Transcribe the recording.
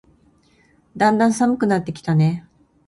だんだん寒くなってきたね。